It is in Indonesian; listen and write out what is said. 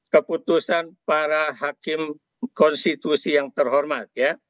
keputusan para hakim konstitusi yang terhormat ya